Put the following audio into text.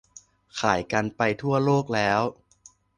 ขายกันไปทั่วโลกแล้ว